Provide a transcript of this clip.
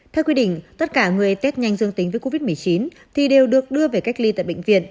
theo quy định tất cả người test nhanh dương tính với covid một mươi chín thì đều được đưa về cách ly tại bệnh viện